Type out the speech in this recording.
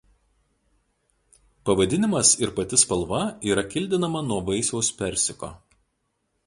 Pavadinimas ir pati spalva yra kildinama nuo vaisiaus persiko.